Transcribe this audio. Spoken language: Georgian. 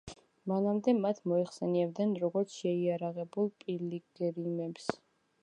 მანამდე მათ მოიხსენიებდნენ, როგორც შეიარაღებულ პილიგრიმებს.